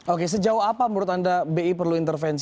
oke sejauh apa menurut anda bi perlu intervensi